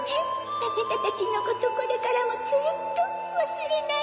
あなたたちのことこれからもずっとわすれないわ。